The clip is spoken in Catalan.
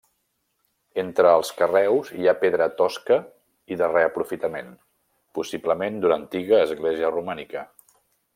Entre els carreus hi ha pedra tosca i de reaprofitament, possiblement, d'una antiga església romànica.